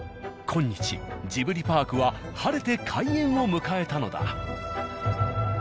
今日ジブリパークは晴れて開園を迎えたのだ。